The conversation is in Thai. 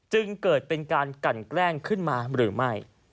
จึงเกิดเป็นการกันแกล้งขึ้นมาหรือไม่